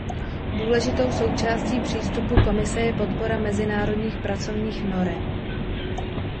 Důležitou součástí přístupu Komise je podpora mezinárodních pracovních norem.